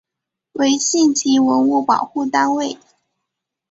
为县级文物保护单位。